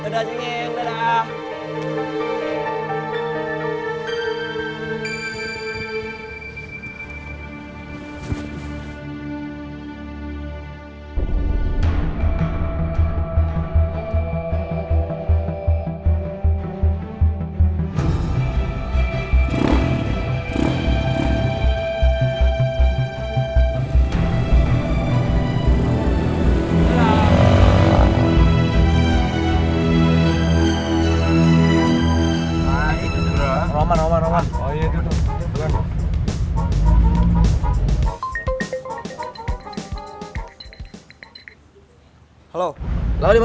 dadah cengeng dadah